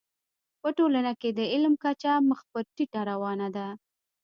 په ټولنه کي د علم کچه مخ پر ټيټه روانه ده.